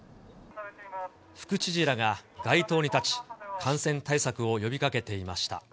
副知事らが街頭に立ち、感染対策を呼びかけていました。